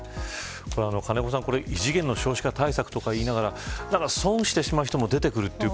金子さん異次元の少子化対策と言いながら損してしまう人も出てきてしまう